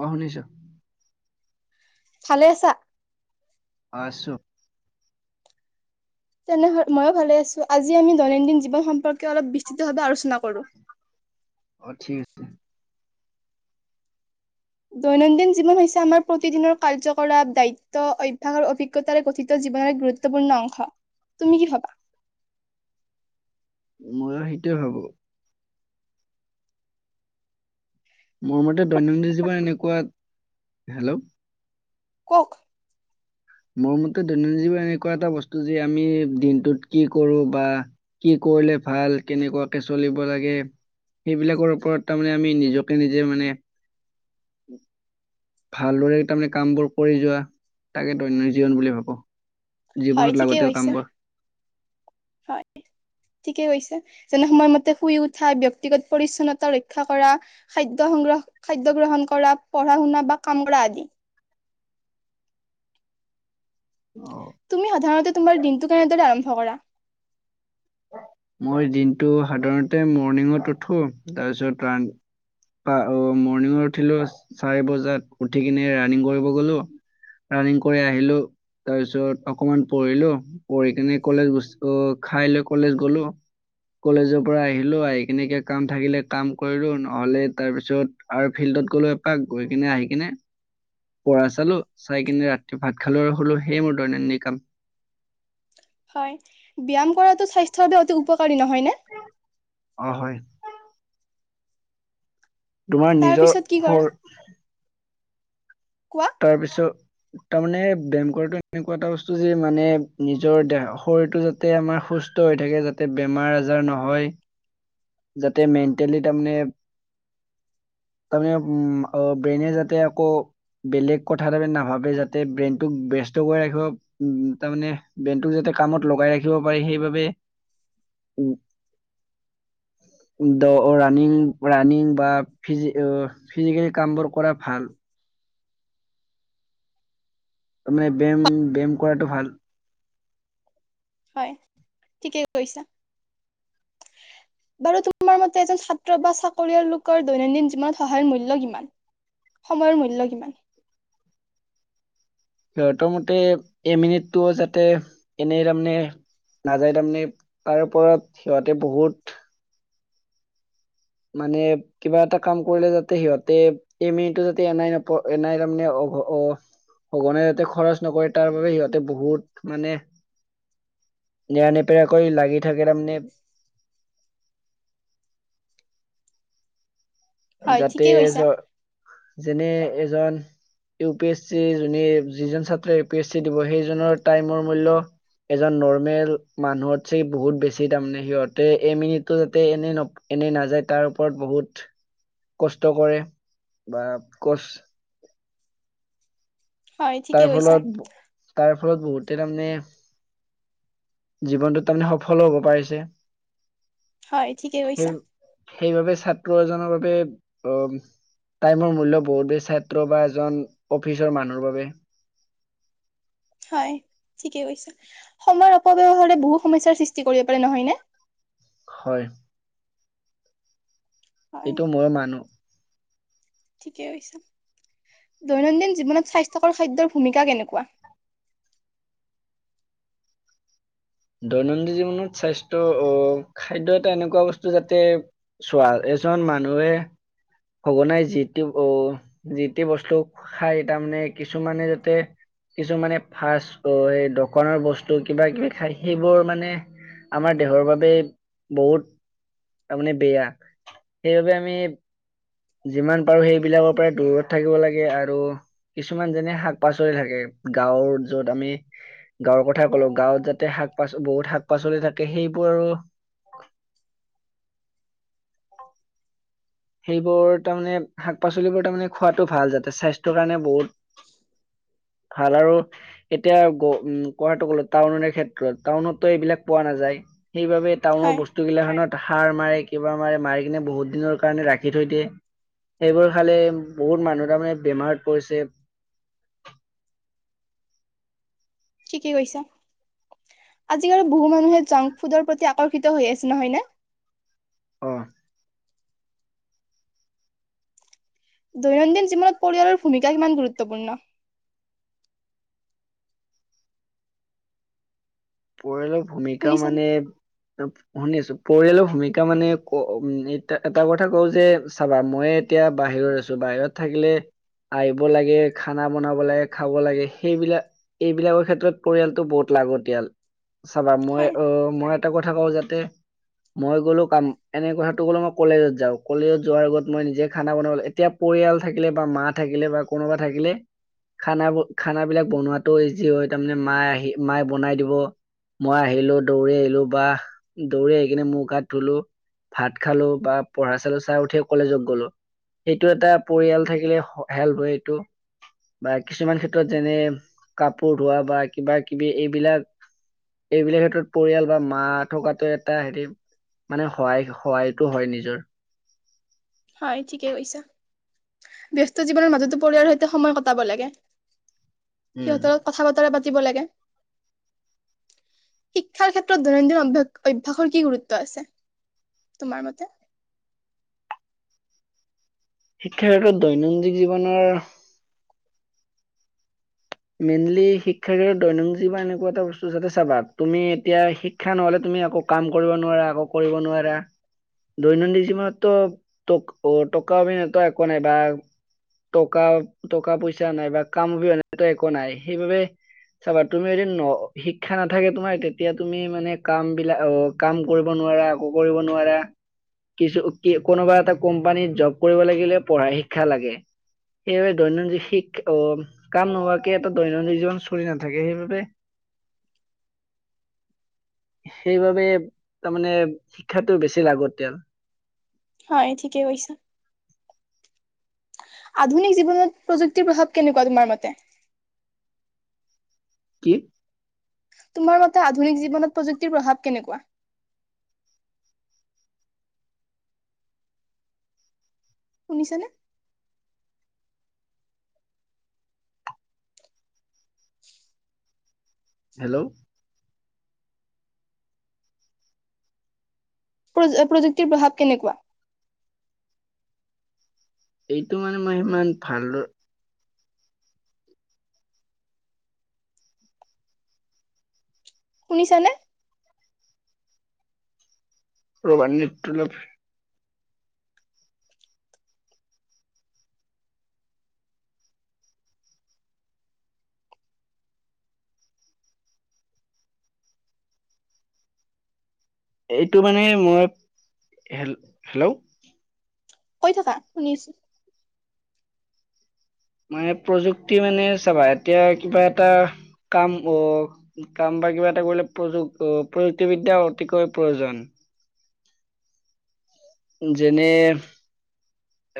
অ শুনিছ। ভালে আছা। আছোঁ। তেনেহ ময়ো ভালে আছো আজি আমি দৈনন্দিন জীৱন সম্পৰ্ক? কে অলপ বিস্তৃতভাৱে আলোচনা কৰো। অ ঠিক আছে দৈনন্দিন জীৱন হৈছে আমাৰ প্ৰতিদিনৰ কাৰ্যকলাপ দায়িত্ব অভ্যাস আৰু অভিজ্ঞতাৰে গঠিত জীৱনৰ এক গুৰুত্বপূৰ্ণ অংশ। তুমি কি ভবা? মই আৰু সেইটোৱে ভাবো। মোৰ মতে দৈনন্দিন জীৱন এনেকুৱা, হেল্ল' কওঁক। মোৰ মতে দৈনন্দিন জীৱন এনেকুৱা এটা বস্তু যে আমি দিনটোত কি কৰো বা কি কৰিলে ভাল কেনেকুৱাকে চলিব লাগে, সেইবিলাকৰ ওপৰত তাৰমানে আমি নিজকে নিজে মানে? ভালদৰে তাৰমানে কামবোৰ কৰি যোৱা তাকে দৈনন্দিন জীৱন বুলি ভাবো। হয় জীৱনত ঠিকেই লাগতিয়াল কৈছে, কামবোৰ। হয় ঠিকেই কৈছে, যেনে সময়মতে শুই উঠা ব্যক্তিগত পৰিচ্ছন্নতা ৰক্ষা কৰা, খাদ্য সংগ্ৰহ, খাদ্য গ্ৰহণ কৰা, পঢ়া শুনা বা কাম কৰা আদি। অ তুমি সাধাৰণতে তোমাৰ দিনটো কেনেদৰে আৰম্ভ কৰা। মই দিনটো সাধাৰণতে মৰ্ণিঙত উঠো তাৰপিছত ৰা মৰ্ণিঙত উঠিলো চাৰি বজাত উঠি কিনে ৰানিং কৰিব গলো ৰানিং কৰি আহিলো তাৰপিছত অকমান পঢ়িলো পঢ়ি কিনে কলেজ গু খাই লৈ। কলেজ গলো কলেজৰ পৰা আহিলো আহি কিনে ক কাম থাকিলে কাম কৰিলো নহলে তাৰপিছত আৰু ফিল্ডত গলো এপাক গৈ কিনে আহি কিনে। পঢ়া চালো চাই কিনে ৰাতি ভাত খালো হ'লো সেই মোৰ দৈনন্দিন কাম। হয় ব্যায়াম কৰাটো স্বাস্থ্যৰ বাবে অতি উপকাৰী নহয় ন। অ হয় তোমাৰ তাৰ নিজৰ পিছত কি কৰা? হৰ। কোৱা। তাৰপিছত? তাৰমানে ব্যয়ায়াম কৰাটোএনেকুৱা এটা বস্তু যে মানে নিজৰ দেহ শৰীৰটো যাতে আমাৰ সুস্থ হৈ থাকে যাতে বেমাৰ আজাৰ নহয় [unintelligible] যাতে মেণ্টেলি তাৰমানে, তাৰমানে ব্ৰেইনে যাতে আকৌ বেলেগ কথা তাৰ নাভাবে যাতে ব্ৰেইনটোক বস কৰি ৰাখিব তাৰে ব্ৰেইনটোক যাতে কামত লগাই ৰাখিব পাৰে সেইবাবে উ। ৰাণং ৰাণিং বা, ফিজি ফিজিকেলি কামবোৰ কৰা ভাল। তাৰমানে ব ব্যায়াম ব্যায়াম কৰাটো ভাল হয় ঠিকেই কৈছা, বাৰু তোমাৰ মতে এজন ছাত্ৰ বা চাকৰিয়াল লোকৰ দৈনন্দিন জীৱনত সহায়ৰ মূল্য কিমান সময়ৰ মূল্যয় কিমান? সিহঁতৰ মতে এ মিনিটটোও যাতে, এনেই তাৰমানে নাযায় তাৰমানে তাৰ ওপৰত সিহঁতে বহুত। মানে কিবা এটা কাম কৰিলে যাতে সিহঁতে এই মিনিটো যাতে এাই নপ এনাই তাৰমানে অঘ অ সঘনে যাতে খৰচ নকৰে তাৰবাবে সিহঁতে বহুত মানে নেৰানেপেৰাকৈ লাগি থাকে তাৰমানমানে। হয় যাতে। ঠিকে কৈছা যেনে এজন ইউ পি এছ চি যোনে যিজন ছাত্ৰ ইউ পি এছ চি দিব সেইজনৰ টাইমৰ মূল্য এজন নৰ্মেল মানুহতছে বহুত বেছি তাৰমানে সিহঁতে এ মিনিটটো যাতে এনে এনেই নাযায় তাৰ ওৰত বহুত কষ্ট কৰে। বা কচ। হয় তাৰ, ঠিকে কৈছা ফলত তাৰ। ফলত বহুতে তাৰমানে! জীৱনটোত তাৰমানে সফলো হ'ব পাৰিছে। হয়, ঠিকে সেই কৈছা। সেইবাবে ছাত্ৰ এজনৰ বাবে টাইমৰ মূল্য বহুত বেছ। ছাত্ৰ বা এজন অফিচৰ মানুহৰ বাবে। হয় ঠিকে কৈছ সময়ৰ অপব্যৱহাৰে বহুত সমস্যাৰ সৃষ্টি কৰিব পাৰে নহয়নে? হয়। এইটো মই মানো। ঠিকেই কৈছা, দৈনন্দিন জীৱনত স্বাস্থ্যকৰ খাদ্যৰ ভূমিকা কেনেকুৱা। দৈনন্দিন জীৱনত, স্বাস্থ্য আহ খাদ্য এটা এনেকুৱা বস্তু যাতে চোৱা এজন মানুহে। সঘনাই যিটো যিটো বস্তু খাই তাৰমানে কিছুমানে যাতে কিছুমানে ফচফুত, আহ সেই দোকানৰ বস্তু, কিবা কিবি খাই সেইবোৰ মানে আমাৰ দেহৰ বাবে বহুত তাৰমানে বেয়া সেইবাবে আমি। যিমান পাৰো সেইবিলাকৰ পৰাই দূৰত থাকিব লাগে। আৰু কিছুমান যেনে শাক পাচলি থাকে, গাঁৱৰ যত আমি গাঁৱৰ কথা কলো গাঁৱত যাতে শাক পাচলি বহুত শাক পাচলি থাকে সেইবোৰ আৰু। সেইবোৰ তাৰমানে, শাক পাচলিবোৰ তাৰমানে খোৱাতটো ভাল যাতে স্বাস্থ্যৰ কাৰণে বহুত ভাল, আৰু এতিয়া উ কোৱাটো গলো টাউনে ক্ষেত্ৰত টাউনতো এইবিলাক পোৱা নাযায়। সেইবাবে টাউনৰ হয় বস্তুবিলাক। সাৰ মাৰে, কিবা মাৰে মাৰি কিনে বহুত দিনৰ। কাৰণে ৰাখি থৈ দিয়ে, সেইবোৰ ফালে বহুত মানুহ তাৰমানে বেমাৰত পৰিছে। থিকে কৈছা, আজিকাল বহু মানুহে জাংক ফুডৰ প্ৰতি আকৰ্ষিত হৈ আছে নহয়নে? আহ। দৈনন্দিন জীৱনত পৰিয়ালৰ ভূমিকা কিমান গুৰুত্বপূৰ্ণ? পৰিঢলো [unintelligible] ভূমিকা শুনিছানে মানে। শুনি আছো, পৰিয়ালৰ ভূমিকা মানে উ এ এটা কথা কওঁ যে চাবা মই এতিয়া বাহিৰত আছো। বাহিৰত থাকিলে আহিব লাগে খানা বনাব লাগে খাব লাগে সেইবিলাক এইবিলাকৰ ক্ষেত্ৰত পৰিয়ালটো বহুত লাগতিয়াল। চাবা মই হয় অ মই। এটা কথা কওঁ, যাতে মই গলো কাম এনে কথাটো গল মই কলেজত যাওঁ কলেজত যোৱাৰ আগত মই নিজে খানা বনাবো এতিয়া পৰিয়াল থাকিলে বা মা থাকিলে বা কোনোবা থাকিলে খানা খানাবিলাক বনোৱাতটো ইজি হয় তাৰমানে মায় আহি মায়ে বনাই দিব। মই আহিলো, দৌৰি আহিলো বা দৌৰি আহি কিনে মুখ -হাত ধুলো, ভাত খালো বা পঢ়া চালো চাই উঠিয়ে কলেজত গ'লো, সেইটো এটা পৰিয়াল থাকিলে হেলপ হয়, এইটো বা কিছুমান ক্ষেত্ৰত যেনে কাপোৰ ধোৱা বা কিবা কিবি এইবিলাক এইবিলাক ক্ষেত্ৰত, পৰিয়াল বা মা থকাটো এটা হেৰি মানে সহায় সহায়টো হয় নিজৰ! হয়। ঠিকেই কৈছা, ব্যস্ত জীৱনৰ মাজতো পৰিয়ালৰ সৈতে সময় কটাব লাগে। উম সিহঁতৰ লগত কথা বতৰা পাতিব লাগে। শিক্ষাৰ ক্ষেত্ৰত দৈনন্দিন অভ্যাস অভ্যাসৰ কি গুৰুত্ব আছে তোমাৰ মতে? শিক্ষাৰ ক্ষেত্ৰত দৈনন্দিন জীৱনৰ মেইনলি শিক্ষাৰ ক্ষেত্ৰত দৈনন্দিন জীৱন এনেকুৱা এটা বস্তু, যাতে চাবা, তুমি এতিয়া শিক্ষা নহলে! তুমি একো কাম কৰিব নোৱাৰা। একো কৰিব নোৱাৰা, দৈনন্দিন জীৱনতটো টকা অবিহনেটো একো নাই বা টকা টকা পইচা নাই বা কাম অবিহনে একো নাই, সেইবাবে চাবা তুমি এদিন শিক্ষা নাথাকিলে, তোমাৰ তেতিয়া তুমি মানে কাম কৰিব নোৱাৰা, কিছু কি, এই কোনোবা এটা কোম্পানীত জব কৰিব লাগিলেও পঢ়া শিক্ষা লাগে সেইবাবে দৈনন্দিন শিক্ষা, অ! কাম নোহোৱাকে, এটা দৈনন্দিন জীৱন চলি নাথাকে সেইবাবে, সেইবাবে তাৰমানে শিক্ষাটো বেছি লাগতিয়াল। হয় ঠিকে কৈছা। আধুনিক জীৱনত প্ৰযুক্তিৰ প্ৰভাৱ কেনেকুৱা তোমাৰ মতে? কি? তোমাৰ মতে আধুনিক জীৱনত প্ৰযুক্তিৰ প্ৰভাৱ কেনেকুৱা? শুনিছানে? হেল্ল'। প্ৰ অ প্ৰযুক্তিৰ প্ৰভাৱ কেনেকুৱা? এইটো মানে মই সিমান ভাল দ শুনিছানে? ৰবা [unintelligible] এইটো মানে মই হে-হেল্ল' কৈ থাকা, শুনি আছো। মানে প্ৰযুক্তি মানে চাবা, এতিয়া কিবা এটা কাম অ কাম বা কিবা এটা কৰিলে প্ৰযু-প্ৰযুক্তিবিদ্যাৰ অতিকৈ প্ৰয়োজন। যেনে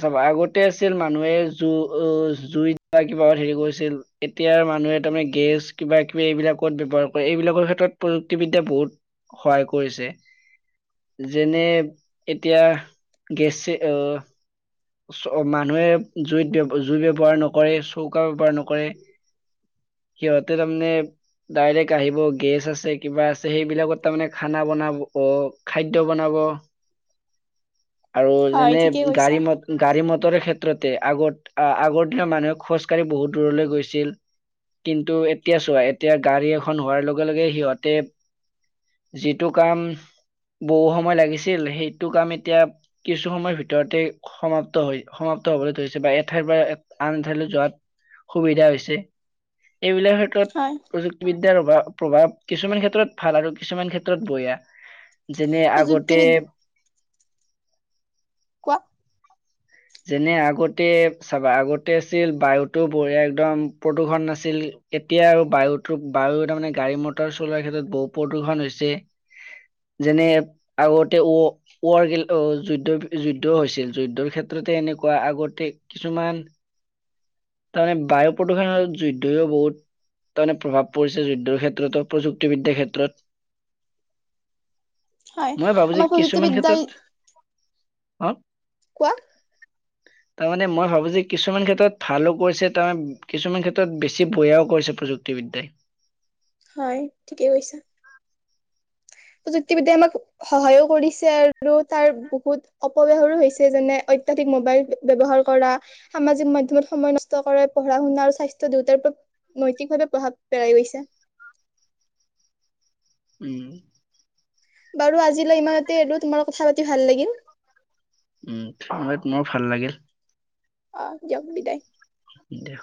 চাবা, আগতে আছিল মানুহে জু অ জুইত বা কিবাহত হেৰি কৰিছিল। এতিয়া মানুহে তাৰমানে গেছ কিবা কিবি এইবিলাকত ব্যৱহাৰ কৰে, এইবিলাকৰ ক্ষেত্ৰত প্ৰযুক্তিবিদ্যাই বহুত সহায় কৰিছে। যেনে, এতিয়া গেছে অহ চ মানুহে জুইত-জুই ব্যৱহাৰ নকৰে, চৌকা ব্যৱহাৰ নকৰে। সিহঁতে তাৰমানে, ডাইৰেক্ট আহিব গেছ আছে, কিবা আছে, সেইবিলাকত তাৰমানে খানা বনাব অ খাদ্য বনাব। আৰু হয় যেনে ঠিকে কৈছা। গাড়ী মত গাড়ী মটৰ ক্ষেত্ৰতে আগত আ আগতে মানুহে খোজকাঢ়ি বহুত দূৰলৈ গৈছিল। কিন্তু, এতিয়া চোৱা এতিয়া গাড়ী এখন হোৱাৰ লগে লগে সিহঁতে, যিটো কাম বহু সময় লাগিছিল সেইটো কাম এতিয়া কিছু সময়ৰ ভিতৰতে সমাপ্ত হৈ, সমাপ্ত হবলৈ ধৰিছে বাহিৰা ঠাইৰ পৰা আন এঠাইলৈ যোৱাত সুবিধা হৈছে। এইবিলাক ক্ষেত্ৰত, হয় প্ৰযুক্তিবিদ্যাৰ অভাৱ। প্ৰভাৱ, কিছুমান ক্ষেত্ৰত ভাল আৰু কিছুমান ক্ষেত্ৰত বয়া। যেনে আগতে প্ৰযুক্তিবিদ কোৱা যেনে আগতে, চাবা আগতে আছিল বায়ুটো বঢ়িয়া একদম প্ৰদূৰ্ষণ নাছিল। এতিয়া আৰু বায়ুটো বায়ু তাৰমানে গাড়ী মটৰ চলোৱাৰ ক্ষেত্ৰত বহু প্ৰদূষন হৈছে, যেনে আগতে ৱ-ৱৰগিল যুদ্ধ যুদ্ধও হৈছিল, যুদ্ধৰ ক্ষেত তে এনেকুৱা, আগতে কিছুমান তাৰমানে বায়ু প্ৰদূষণ লগত যুদ্ধইও বহুত, তাৰমানে প্ৰভাৱ পৰিছে যুদ্ধৰ ক্ষেত্ৰতো প্ৰযুক্তিবিদ্যাৰ ক্ষেত্ৰত। হয়, মই আমাৰ প্ৰযুক্তিবিদ্যাই হা কোৱা? তাৰমানে মই ভাবো যে, কিছুমান ক্ষেত্ৰত ভালো কৰিছে তাৰ মানে, কিছুমান ক্ষেত্ৰত বেছি বয়াও কৰিছে প্ৰযুক্তিবিদ্যয়াই। হয়, ঠিকে কৈছে। প্ৰযুক্তিবিদ্যাই আমাক সহায়ো কৰিছে আৰু তাৰ বহুত অপব্যৱহাৰো হৈছে। যেনে অত্যধিক মোবাইল ব্যৱহাৰ কৰা, সামাজিক মাধ্যমত সময় নষ্ট কৰে, পঢ়া শুনা আৰু স্বাস্থ্য দুয়টাৰ পৰা নৈতিকভাৱে প্ৰভাৱ পেলাই গৈছে। উম। বাৰু আজিলৈ ইমানতে এৰো, তোমাৰ লগত কথা পাতি ভাল লাগিল। উম, তোমাৰ ভাল লাগিল অ যাব বিদাই দিয়া